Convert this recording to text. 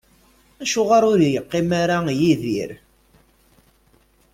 Acuɣer ur yeqqim ara Yidir?